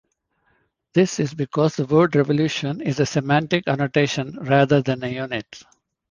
This is because the word "revolution" is a semantic annotation rather than a unit.